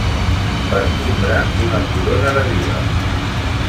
Per timbre una corona de vila.